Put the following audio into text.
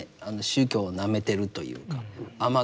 宗教をなめてるというか甘く見てる。